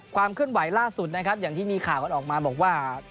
ความเคลื่อนไหวล่าสุดนะครับอย่างที่มีข่าวกันออกมาบอกว่า